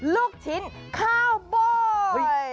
ลูกชิ้นคาวบอย